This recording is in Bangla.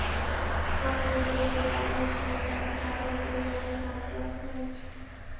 ময়নাতদন্তের জন্য আলী হোসেনের লাশ ঢাকা মেডিকেল কলেজের মর্গে পাঠানো হয়েছে।